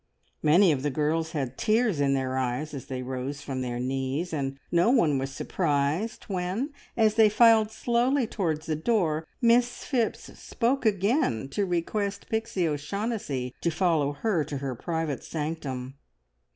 Many of the girls had tears in their eyes as they rose from their knees, and no one was surprised when, as they filed slowly towards the door, Miss Phipps spoke again, to request Pixie O'Shaughnessy to follow her to her private sanctum.